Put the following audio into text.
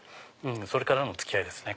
それからの付き合いですね